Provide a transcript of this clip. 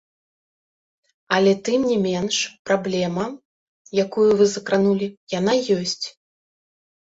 Але тым не менш, праблема, якую вы закранулі, яна ёсць.